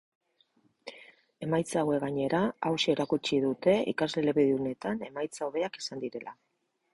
Emaitza hauek gainera, hauxe erakutsi dute ikasle elebidunetan emaitza hobeak izan direla.